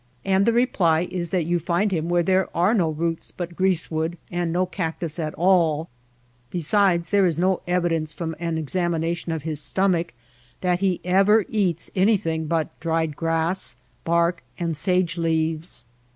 And the reply is that you find him where there are no roots but greasewood and no cactus at DESERT ANIMALS 153 all. Besides there is no evidence from an ex amination of his stomach that he ever eats any thing but dried grass, bark, and sage leaves.